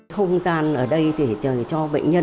không gian ở đây để cho bệnh nhân mau chóng phụ bình phục